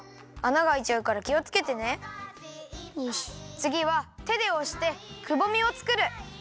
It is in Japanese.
つぎはてでおしてくぼみをつくる！